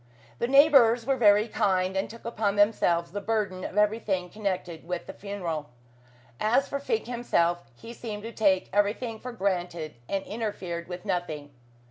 The Neighbours were very kind, and took upon themselves the burden of everything connected with the funeral. As for Fink himself, he seemed to take everything for granted, and interfered with nothing.